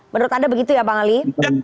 menurut anda begitu ya bang ali